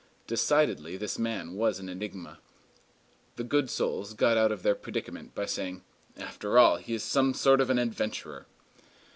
Decidedly this man was an enigma. The good souls got out of their predicament by saying, "After all, he is some sort of an adventurer."